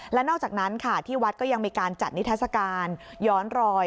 และนอกจากนั้นค่ะที่วัดก็ยังมีการจัดนิทัศกาลย้อนรอย